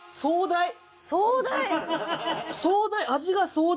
「壮大」！？